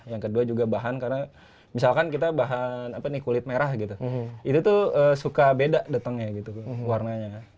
yang kedua juga bahan karena misalkan kita bahan kulit merah gitu itu tuh suka beda datangnya gitu warnanya